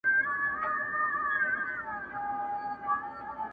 ما در کړي د اوربشو انعامونه!!